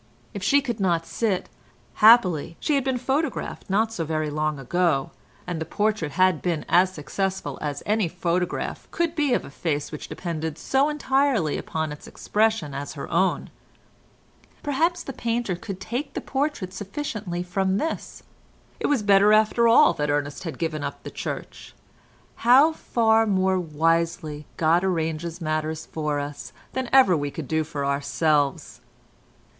If she could not sit, happily, she had been photographed not so very long ago, and the portrait had been as successful as any photograph could be of a face which depended so entirely upon its expression as her own. Perhaps the painter could take the portrait sufficiently from this. It was better after all that Ernest had given up the Church—how far more wisely God arranges matters for us than ever we can do for ourselves!